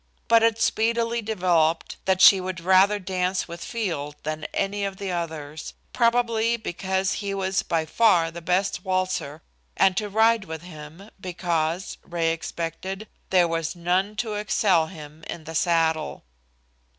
But it speedily developed that she would rather dance with Field than any of the others, probably because he was by far the best waltzer, and to ride with him, because, Ray excepted, there was none to excel him in the saddle.